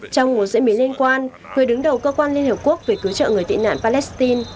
trong một diễn biến liên quan người đứng đầu cơ quan liên hiệp quốc về cứu trợ người tị nạn palestine